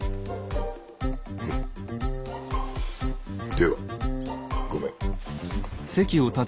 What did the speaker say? では御免。